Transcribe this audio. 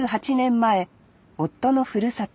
前夫のふるさと